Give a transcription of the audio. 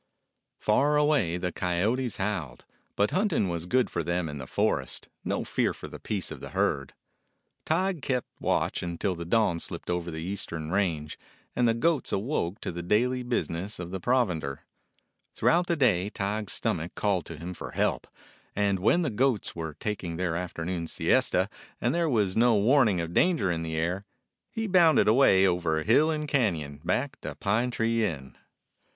Far away the coyotes howled, but hunting was good for them in the forest; no fear for the peace of the herd. Tige kept watch until the dawn slipped over the eastern 10 A DOG OF THE SIERRA NEVADAS range, and the goats awoke to the daily busi ness of provender. Throughout the day Tige's stomach called to him for help, and when the goats were tak ing their afternoon siesta and there was no warning of danger in the air, he bounded away over hill and canon, back to Pine Tree Inn.